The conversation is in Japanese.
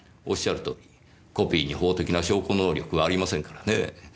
おっしゃるとおりコピーに法的な証拠能力はありませんからねぇ。